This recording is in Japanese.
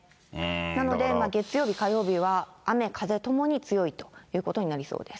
なので月曜日、火曜日は、雨風ともに強いということになりそうです。